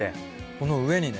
この上にね？